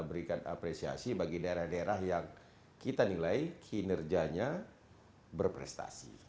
berikan apresiasi bagi daerah daerah yang kita nilai kinerjanya berprestasi